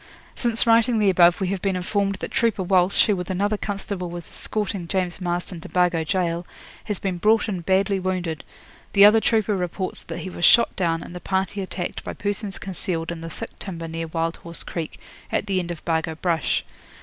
'Since writing the above we have been informed that trooper Walsh, who with another constable was escorting James Marston to Bargo Gaol, has been brought in badly wounded. The other trooper reports that he was shot down and the party attacked by persons concealed in the thick timber near Wild Horse Creek, at the edge of Bargo Brush.